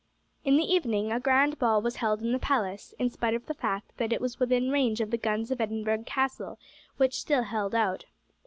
In the evening a grand ball was held in the palace, in spite of the fact that it was within range of the guns of Edinburgh Castle, which still held out.